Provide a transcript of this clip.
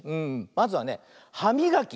まずはねはみがき。